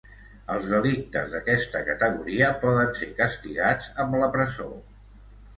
Els delictes d’aquesta categoria poden ser castigats amb la presó.